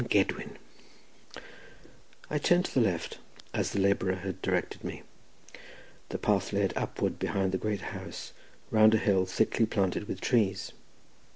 "Llan Gedwin." I turned to the left, as the labourer had directed me. The path led upward behind the great house, round a hill thickly planted with trees.